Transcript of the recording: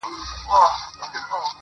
o دا ئې اختر د چا کره ولاړ سو!